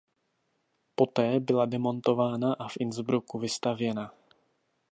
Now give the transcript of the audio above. Poté byla demontována a v Innsbrucku vystavěna.